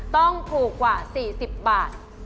ต้องถูกกว่า๔๐บาท